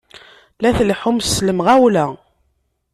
La tleḥḥum s lemɣawla!